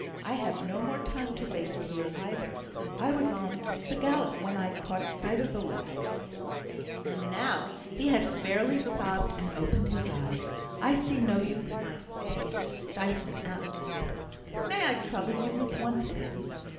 I have no more time to waste here, either; I was on the gallop when I caught sight of the lad; and, now he has fairly sobbed and opened his eyes, I see no use in my staying in this stifling atmosphere. May I trouble you with one thing?